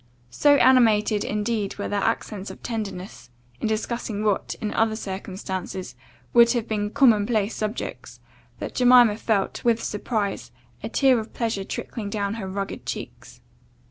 So animated, indeed, were their accents of tenderness, in discussing what, in other circumstances, would have been commonplace subjects, that Jemima felt, with surprise, a tear of pleasure trickling down her rugged cheeks.